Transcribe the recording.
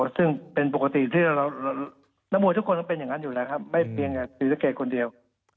ซึ่งเป็นปกติที่นักมวยทุกคนก็เป็นอย่างนั้นอยู่แล้วครับไม่เพียงแต่ศรีสะเกดคนเดียว